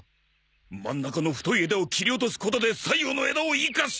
真ん中の太い枝を切り落とすことで左右の枝を生かす！